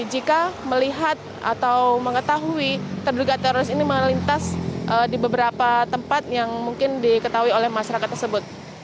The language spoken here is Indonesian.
jika melihat atau mengetahui terduga teroris ini melintas di beberapa tempat yang mungkin diketahui oleh masyarakat tersebut